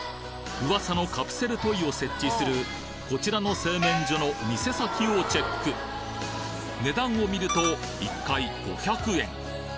噂のカプセルトイを設置するこちらの製麺所の店先をチェック値段を見ると１回５００円